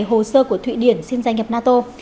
hồ sơ của thụy điển xin gia nhập nato